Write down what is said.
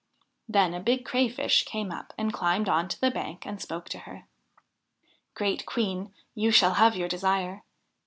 Then a big Crayfish came up and climbed on to the bank and spoke to her :' Great Queen, you shall have your desire.